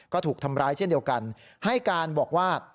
ก็ถูกทำร้ายเช่นเดียวกันให้การบอกว่า